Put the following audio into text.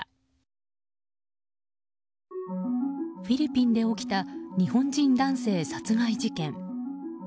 フィリピンで起きた日本人男性殺害事件。